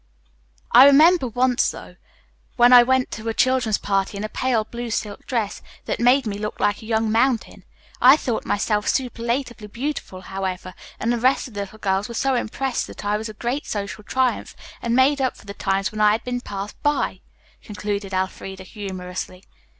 I remember once, though, when I went to a children's party in a pale blue silk dress that made me look like a young mountain. I thought myself superlatively beautiful, however, and the rest of the little girls were so impressed that I was a great social triumph, and made up for the times when I had been passed by," concluded Elfreda humorously.